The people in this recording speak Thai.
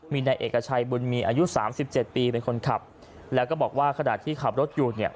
มีนายเอกชัยบุญมีอายุ๓๗ปีเป็นคนขับแล้วก็บอกว่าขณะที่ขับรถอยู่เนี่ย